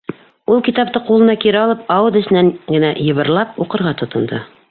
— Ул, китапты ҡулына кире алып, ауыҙ эсенән генә йыбырлап уҡырға тотондо.